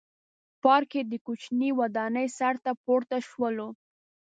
پارک کې د کوچنۍ ودانۍ سر ته پورته شولو.